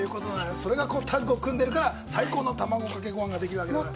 それがタッグを組んでるから最高の卵かけご飯ができるんです。